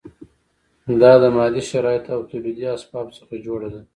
دا د مادي شرایطو او تولیدي اسبابو څخه جوړه ده.